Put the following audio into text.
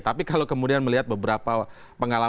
tapi kalau kemudian